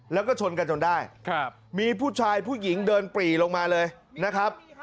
แล้วก็ชนกันจนได้ครับมีผู้ชายผู้หญิงเดินปรีลงมาเลยนะครับ